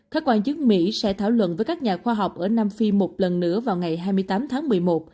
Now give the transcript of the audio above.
các quan chức mỹ sẽ thảo luận với các nhà khoa học ở nam phi một lần nữa vào ngày hai mươi tám tháng một mươi một